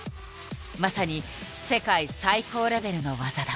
まさに世界最高レベルの技だ。